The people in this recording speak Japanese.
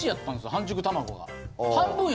半熟卵が。